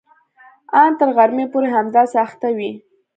ان تر غرمې پورې همداسې اخته وي.